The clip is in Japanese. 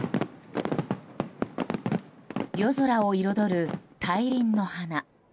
夜空を彩る大輪の花。